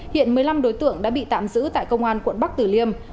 hiện một mươi năm đối tượng đã bị tạm giữ tại công an quận bắc tử liêm